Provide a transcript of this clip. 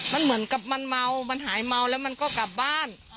มันเหมือนกับมันเมามันหายเมาแล้วมันก็กลับบ้าน